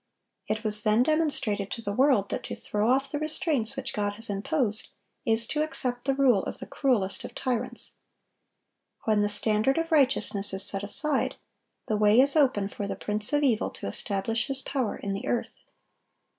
It was then demonstrated to the world that to throw off the restraints which God has imposed is to accept the rule of the cruelest of tyrants. When the standard of righteousness is set aside, the way is open for the prince of evil to establish his power in the earth.